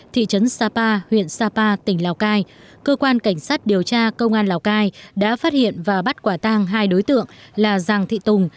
thị trấn sapa huyện sapa tỉnh lào cai cơ quan cảnh sát điều tra công an lào cai đã phát hiện và bắt quả tang hai đối tượng là giàng thị tùng